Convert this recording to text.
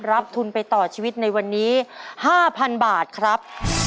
รับทุนไปต่อชีวิตในวันนี้๕๐๐๐บาทครับ